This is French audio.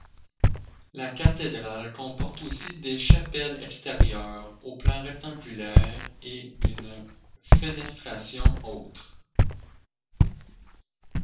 La cathédrale comporte aussi des chapelles extérieures au plan rectangulaire et une fenestration haute.